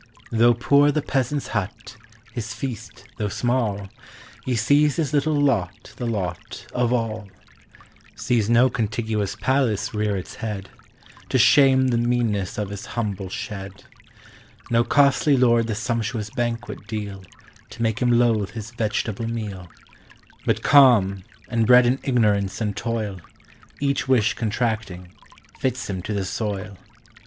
Though poor the peasant's hut, his feast though small, He sees his little lot the lot of all ; Sees no contiguous palace rear its head, To shame the meanness of his humble shed; No costly lord the sumptuous banquet deal To make him loathe his vegetable meal; But calm, and bred in ignorance and toil, Each wish contracting, fits him to the soil.